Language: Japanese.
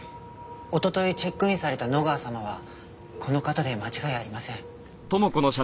一昨日チェックインされた野川様はこの方で間違いありません。